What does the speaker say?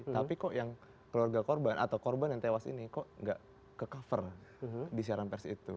tapi kok yang keluarga korban atau korban yang tewas ini kok nggak ke cover di siaran pers itu